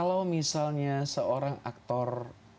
maksudnya misalnya seorang aktor